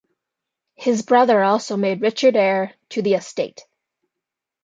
His brother also made Richard heir to the estate.